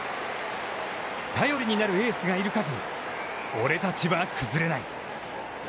頼りになるエースがいるかぎり、俺たちは崩れない。